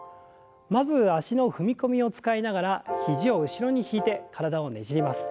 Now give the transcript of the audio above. まず脚の踏み込みを使いながら肘を後ろに引いて体をねじります。